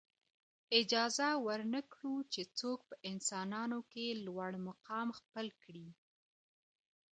اجازه ورنه کړو چې څوک په انسانانو کې لوړ مقام خپل کړي.